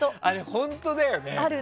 本当だよね。